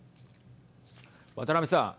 渡辺さん。